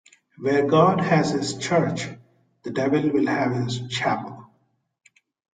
Where God has his church, the devil will have his chapel.